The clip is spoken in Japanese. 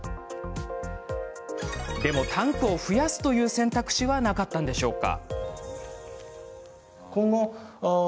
でも、タンクを増やすという選択肢はなかったんでしょうか？